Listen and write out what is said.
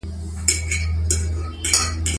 افغانستان د د کلیزو منظره د ساتنې لپاره قوانین لري.